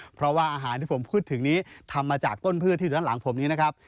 เพราะว่าอาหารที่ผมพูดถึงนี้ทำมาจากต้นพืชที่อยู่ด้านหลังผมนี้นะครับ